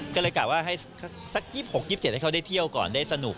ก็เลยกะว่าให้สัก๒๖๒๗ให้เขาได้เที่ยวก่อนได้สนุก